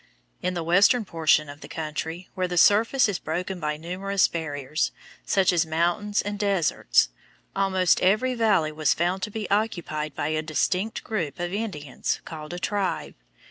In the western portion of the country, where the surface is broken by numerous barriers, such as mountains and deserts, almost every valley was found to be occupied by a distinct group of Indians called a "tribe."